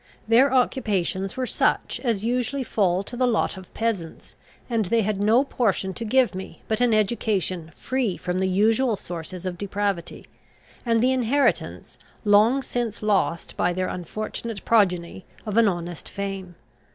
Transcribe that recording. Their occupations were such as usually fall to the lot of peasants, and they had no portion to give me, but an education free from the usual sources of depravity, and the inheritance, long since lost by their unfortunate progeny! of an honest fame.